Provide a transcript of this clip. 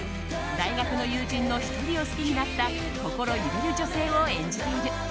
大学の友人の１人を好きになった心揺れる女性を演じている。